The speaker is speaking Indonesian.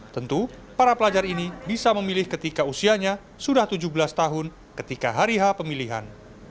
tentu para pelajar ini bisa memilih ketika usianya sudah tujuh belas tahun ketika hari h pemilihan